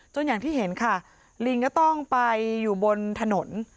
อย่างที่เห็นค่ะลิงก็ต้องไปอยู่บนถนน